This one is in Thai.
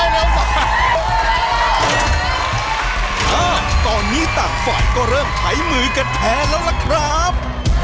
อ้าวตอนนี้ต่างฝ่ายก็เริ่มใช้มือกันแทนแล้วล่ะครับ